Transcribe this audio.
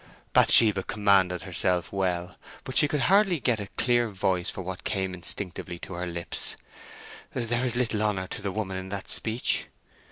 Bathsheba commanded herself well. But she could hardly get a clear voice for what came instinctively to her lips: "There is little honour to the woman in that speech."